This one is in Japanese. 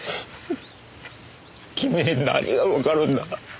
君に何がわかるんだ？